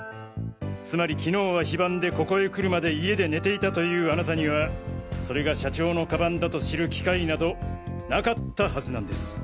つまり昨日は非番でここへ来るまで家で寝ていたというあなたにはそれが社長の鞄だと知る機会などなかったはずなんです。